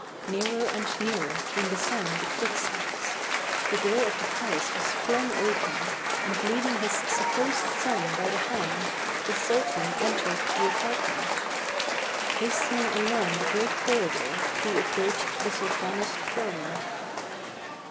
Nearer and nearer came the sound of footsteps. The door of the palace was flung open, and leading his supposed son by the hand, the sultan entered the apartment. Hastening along the great corridor he approached the sultana's throne.